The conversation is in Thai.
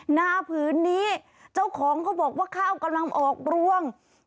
ผืนนี้เจ้าของเขาบอกว่าข้าวกำลังออกรวง